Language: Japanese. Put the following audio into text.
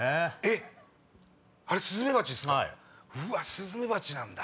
スズメバチなんだ。